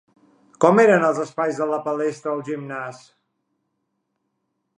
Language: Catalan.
Com eren els espais de la palestra o el gimnàs?